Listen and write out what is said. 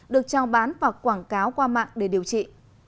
được trao bán và quảng cáo qua mạng để điều trị